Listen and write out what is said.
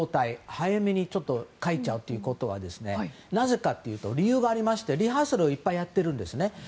早めに帰っちゃうということがなぜかというと理由がありましてリハーサルをいっぱいやっているんですね。